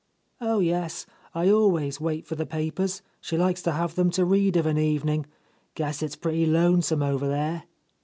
"Oh, yes. I always wait for the papers. She likes to have them to read of an evening. Guess it's pretty lonesome over there."